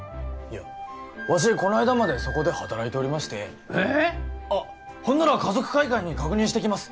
わしこの間までそこで働いておりましてええッなら華族会館に確認してきます